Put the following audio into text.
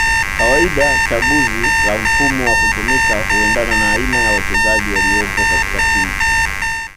kawaida chaguzi la mfumo wa kutumika huendana na aina ya wachezaji waliopo katika timu